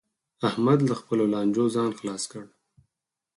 احمد له خپلو لانجو ځان خلاص کړ